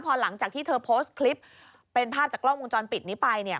พอหลังจากที่เธอโพสต์คลิปเป็นภาพจากกล้องวงจรปิดนี้ไปเนี่ย